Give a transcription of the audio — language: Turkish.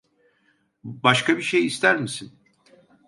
Başka bir şey ister misin?